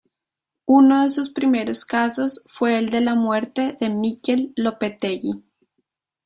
Uno de sus primeros casos fue el de la muerte de Mikel Lopetegui.